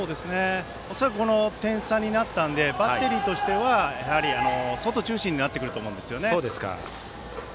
恐らくこの点差になったのでバッテリーとしてはやはり外中心になってくると思います。